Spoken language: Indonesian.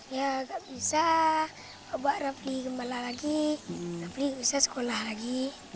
ya gak bisa bapak rafli gembala lagi rafli usia sekolah lagi